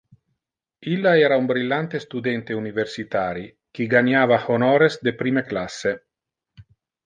Illa era un brillante studente universitari qui ganiava honores de prime classe.